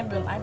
apa kau merah